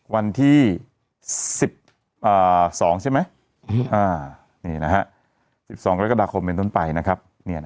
วันที่๑๒ใช่ไหมนี่นะฮะ๑๒แล้วก็ดักคอมเมนต์นั้นไปนะครับ